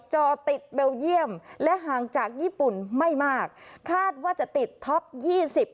จอติดเบลเยี่ยมและห่างจากญี่ปุ่นไม่มากคาดว่าจะติดท็อปยี่สิบ